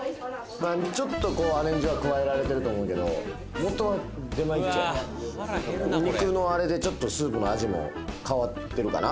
まあちょっとこうアレンジは加えられてると思うけど元は出前一丁やな肉のあれでちょっとスープの味も変わってるかな？